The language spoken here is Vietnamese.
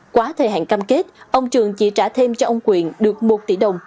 quá thời hạn cam kết ông trường chỉ trả thêm cho ông quyện được một tỷ đồng